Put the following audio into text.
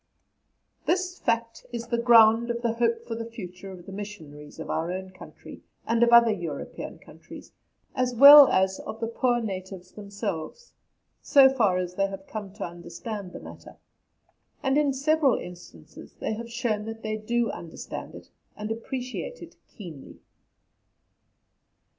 This fact is the ground of the hope for the future of the Missionaries of our own country, and of other European countries, as well as of the poor natives themselves, so far as they have come to understand the matter; and in several instances they have shown that they do understand it, and appreciate it keenly.